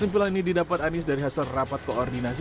yang di lapangan ini didapat anies dari hasil rapat koordinasi